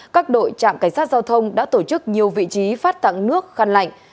các đội trạm cảnh sát giao thông đã tổ chức nhiều vị trí phát tặng nước khăn lạnh